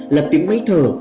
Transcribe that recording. là tiếng máy thở